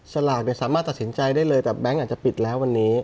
สลากสามารถตัดสินใจได้เลยแต่แบงค์อาจจะปิดแล้ววันนี้